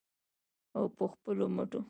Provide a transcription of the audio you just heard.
او په خپلو مټو.